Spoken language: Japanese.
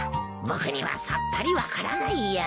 僕にはさっぱり分からないや。